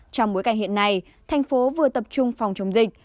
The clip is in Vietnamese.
trong bối cảnh hiện nay thành phố vừa tập trung phòng chống dịch